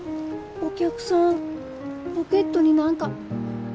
お客さんポケットに何か。